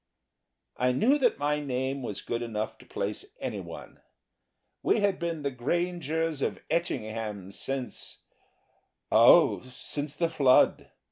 I knew that my name was good enough to place anyone. We had been the Grangers of Etchingham since oh, since the flood.